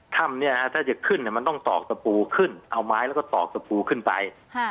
ถ้ำเนี่ยถ้าจะขึ้นมันต้องตอกตะปูขึ้นเอาไม้แล้วก็ตอกสปูขึ้นไป